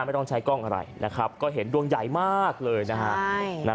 ไม่ต้องใช้กล้องอะไรนะครับก็เห็นดวงใหญ่มากเลยนะฮะ